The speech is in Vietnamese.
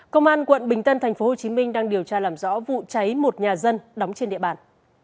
công an quận bình tân tp hcm đang điều tra làm rõ vụ cháy một nhà dân đóng trên địa bàn